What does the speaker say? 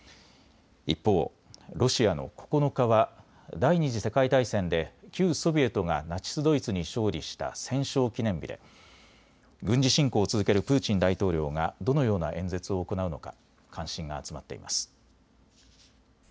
一方、ロシアの９日は第２次世界大戦で旧ソビエトがナチス・ドイツに勝利した戦勝記念日で軍事侵攻を続けるプーチン大統領がどのような演説を行うのか関心が集まっています。